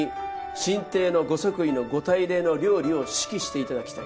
「新帝の御即位の御大礼の料理を指揮していただきたい」